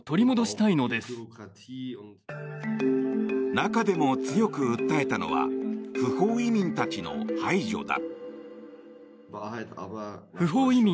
中でも強く訴えたのは不法移民たちの排除だ。